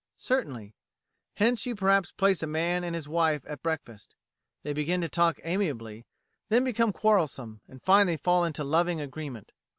Certainly. Hence you perhaps place a man and his wife at breakfast. They begin to talk amiably, then become quarrelsome, and finally fall into loving agreement.